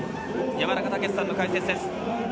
山中武司さんの解説です。